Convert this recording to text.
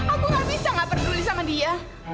aku gak bisa gak peduli sama dia